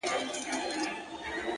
چي هغه نه وي هغه چــوفــــه اوســــــي’